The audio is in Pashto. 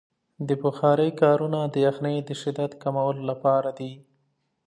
د بخارۍ کارونه د یخنۍ د شدت کمولو لپاره دی.